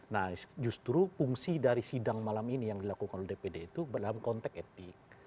nah justru fungsi dari sidang malam ini yang dilakukan oleh dpd itu dalam konteks etik